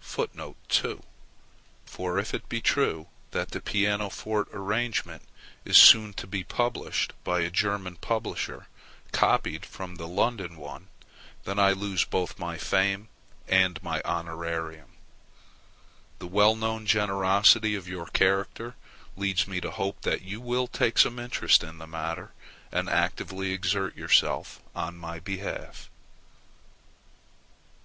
For if it be true that the pianoforte arrangement is soon to be published by a German publisher, copied from the London one, then I lose both my fame and my honorarium. The well known generosity of your character leads me to hope that you will take some interest in the matter, and actively exert yourself on my behalf.